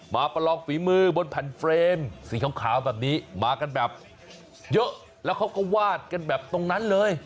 ประลองฝีมือบนแผ่นเฟรมสีขาวแบบนี้มากันแบบเยอะแล้วเขาก็วาดกันแบบตรงนั้นเลย